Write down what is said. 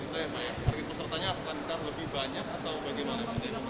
target pesertanya akan lebih banyak atau bagaimana